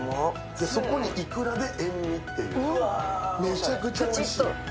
そこにいくらで塩みっていうめちゃくちゃおいしい。